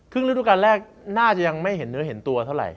ฤดูการแรกน่าจะยังไม่เห็นเนื้อเห็นตัวเท่าไหร